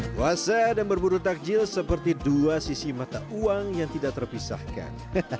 puasa dan berburu takjil seperti dua sisi mata uang yang tidak terpisahkan